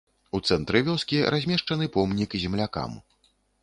У цэнтры вёскі размешчаны помнік землякам.